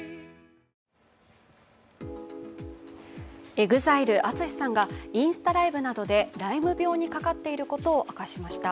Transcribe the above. ＥＸＩＬＥＡＴＳＵＳＨＩさんがインスタライブなどでライム病にかかっていることを明かしました。